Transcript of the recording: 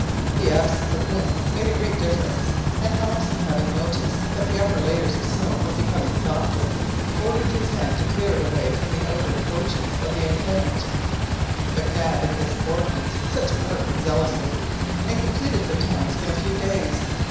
The absence of wind made a great difference, and Hobson having noticed that the upper layers of snow were becoming softer, ordered his men to clear it away from the outer approaches of the enceinte. Mac Nab and his subordinates set to work zealously, and completed their task in a few days.